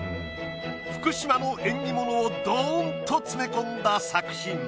福島の縁起物をドンと詰め込んだ作品。